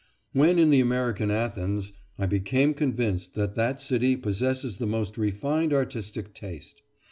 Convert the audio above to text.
When in the American Athens I became convinced that that city possesses the most refined artistic taste.